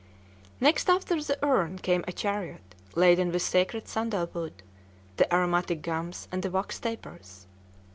Next after the urn came a chariot laden with the sacred sandal wood, the aromatic gums, and the wax tapers.